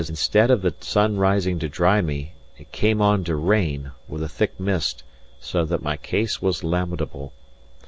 Instead of the sun rising to dry me, it came on to rain, with a thick mist; so that my case was lamentable.